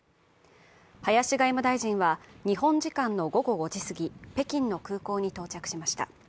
林外務大臣は日本時間の午後５時過ぎ、北京の空港に到着しました。